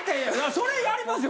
それやりますよ